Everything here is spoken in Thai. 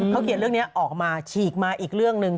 เขาเขียนเรื่องนี้ออกมาฉีกมาอีกเรื่องหนึ่ง